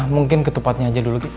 mungkin ketupatnya aja dulu